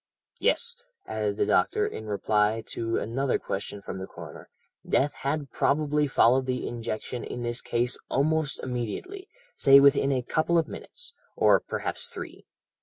"'Yes,' added the doctor in reply to another question from the coroner, 'death had probably followed the injection in this case almost immediately; say within a couple of minutes, or perhaps three.